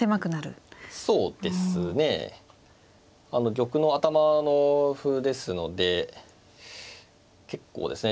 玉の頭の歩ですので結構ですね